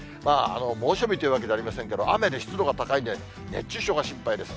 猛暑日というわけじゃありませんけど、雨で湿度が高いんで、熱中症が心配です。